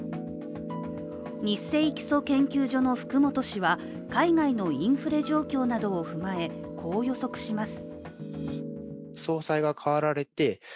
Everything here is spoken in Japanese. ニッセイ基礎研究所の福本氏は海外のインフレ状況などを踏まえこう予測します。